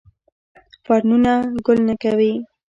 فرنونه ګل نه کوي